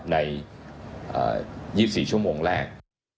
ใน๒๔ชั่วโมงแรก